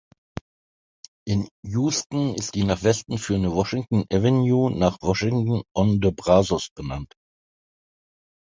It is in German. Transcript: In Houston ist die nach Westen führende Washington Avenue nach Washington-on-the-Brazos benannt.